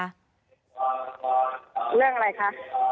เรื่องอะไรคะ